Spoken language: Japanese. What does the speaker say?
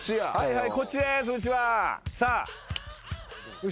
はい。